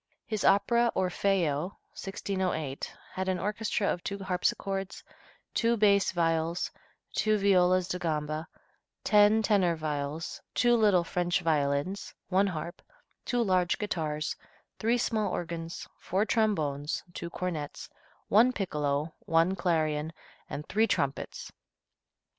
His opera, "Orfeo," 1608, had an orchestra of two harpsichords, two bass viols, two violas di gamba, ten tenor viols, two little French violins, one harp, two large guitars, three small organs, four trombones, two cornets, one piccolo, one clarion and three trumpets.